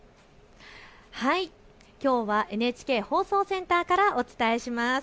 きょうはＮＨＫ放送センターからお伝えします。